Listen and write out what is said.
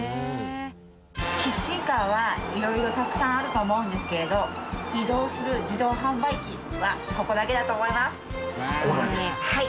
キッチンカーは色々たくさんあると思うんですけれど移動する自動販売機はここだけだと思います！